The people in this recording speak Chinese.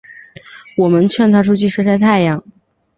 我们劝她出去晒晒太阳